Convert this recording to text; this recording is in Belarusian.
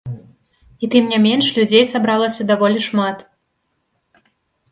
І тым не менш, людзей сабралася даволі шмат.